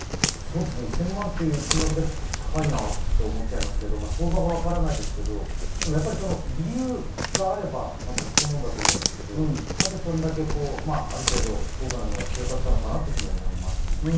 １０００万円という金額だけを聞くと高いなと思っちゃいますが、相場がわからないですが、その理由があれば納得するものだと思うんですが、なぜそれだけ高価なものが必要だったのかなと思いますね。